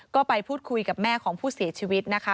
ก็ไปพูดคุยกับแม่ของผู้เสียชีวิตนะคะ